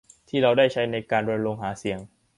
ที่เราได้ใช้ในการรณรงค์หาเสียง